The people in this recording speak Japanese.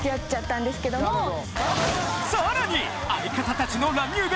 さらに！